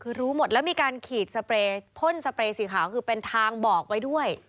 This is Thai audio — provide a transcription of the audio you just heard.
คือรู้หมดแล้วมีการขีดสเปรย์พ่นสเปรย์สีขาวคือเป็นทางบอกไว้ด้วย